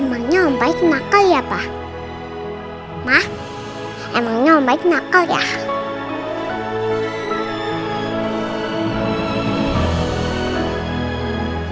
emangnya sama bayi nakel ya